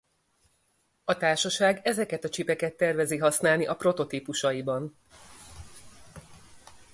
A társaság ezeket a chipeket tervezi használni a prototípusaiban.